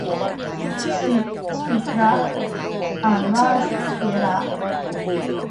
ศิศิร อ่านว่า สิสิระ